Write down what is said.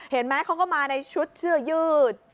เห็นไหมเขาก็มาในชุดเสื้อยืด